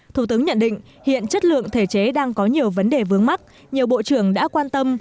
thủ tướng nhận định hiện chất lượng thể chế đang có nhiều vấn đề vướng mắt nhiều bộ trưởng đã quan tâm